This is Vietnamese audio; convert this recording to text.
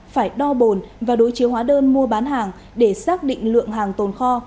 phải đo bồn và đối chiếu hóa đơn mua bán hàng để xác định lượng hàng tồn kho